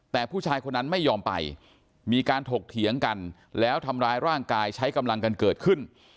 แต่ผู้ชายคนนั้นไม่ยอมไปมีการถกเถียงกันแล้วทำร้ายร่างกายใช้กำลังกันเกิดขึ้น